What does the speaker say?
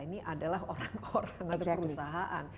ini adalah orang orang atau perusahaan